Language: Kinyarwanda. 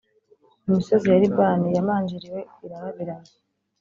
Imisozi ya Libani yamanjiriwe, irarabiranye.